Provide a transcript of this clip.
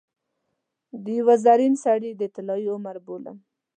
د یوه زرین سړي د طلايي عمر بولم.